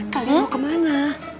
kalian mau kemana